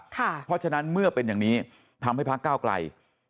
เพราะฉะนั้นเมื่อเป็นอย่างนี้ทำให้พักก้าวไกล